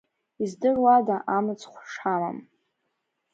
Издыруада амыцхә шҳамам…